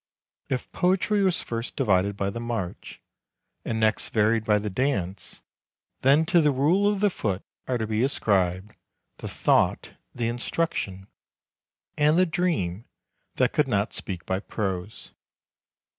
If Poetry was first divided by the march, and next varied by the dance, then to the rule of the foot are to be ascribed the thought, the instruction, and the dream that could not speak by prose.